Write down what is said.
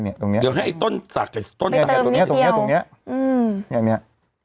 เนี้ยเนี้ย